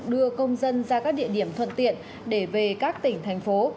đưa công dân ra các địa điểm thuận tiện để về các tỉnh thành phố